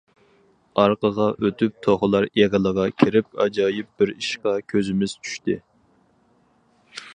ئارقىغا ئۆتۈپ توخۇلار ئېغىلىغا كىرىپ ئاجايىپ بىر ئىشقا كۆزىمىز چۈشتى.